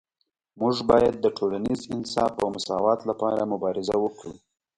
موږ باید د ټولنیز انصاف او مساوات لپاره مبارزه وکړو